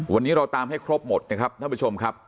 วันนี้เราตามให้ครบหมดนะครับท่านผู้ชมครับ